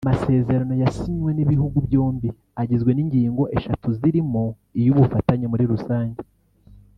Amasezerano yasinywe n’ibihugu byombi agizwe n’ingingo eshatu zirimo iy’ubufatanye muri rusange